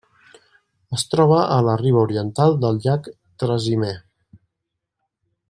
Es troba a la riba oriental del Llac Trasimè.